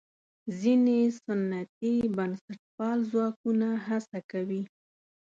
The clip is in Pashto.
ځینې سنتي بنسټپال ځواکونه هڅه کوي.